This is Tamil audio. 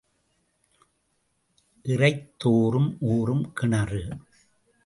இறைத்தோறும் ஊறும் கிணறு.